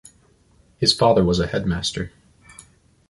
His father was a headmaster.